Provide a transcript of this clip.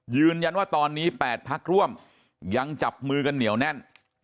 ยืนยันว่าตอนนี้๘พักร่วมยังจับมือกันเหนียวแน่น